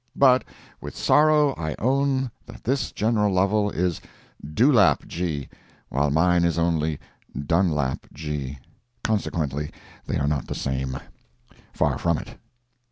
But with sorrow I own that this General Lovel is Dewlap G., while mine is only Dunlap G. Consequently they are not the same—far from it.